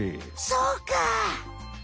そうか！